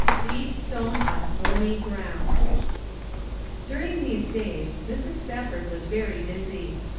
SEED SOWN ON THOBNY GROUND. M VK [URING these days Mrs. Spafford was very busy.